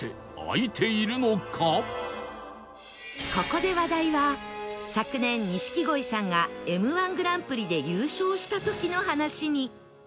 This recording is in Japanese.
ここで話題は昨年錦鯉さんが Ｍ−１ グランプリで優勝した時の話に